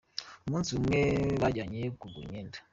Umunsi umwe bajyanye kugura imyenda.